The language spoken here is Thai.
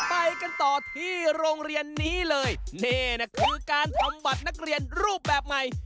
ไปกันต่อที่โรงเรียนนี้เลยนี่นะคือการทำบัตรนักเรียนรูปแบบใหม่